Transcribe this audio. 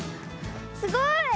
すごい。